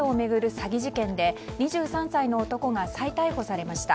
詐欺事件で２３歳の男が再逮捕されました。